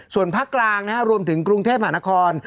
ส่วนภาคกลางรวมถึงกรุงเทพมหานคร